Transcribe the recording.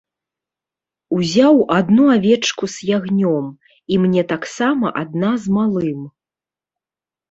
Узяў адну авечку з ягнём, і мне таксама адна з малым.